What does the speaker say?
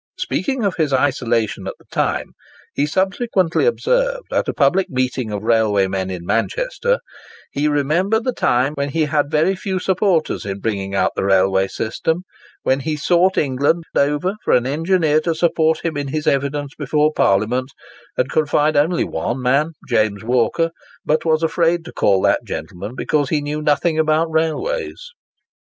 Speaking of his isolation at the time, he subsequently observed, at a public meeting of railway men in Manchester: "He remembered the time when he had very few supporters in bringing out the railway system—when he sought England over for an engineer to support him in his evidence before Parliament, and could find only one man, James Walker, but was afraid to call that gentleman, because he knew nothing about railways.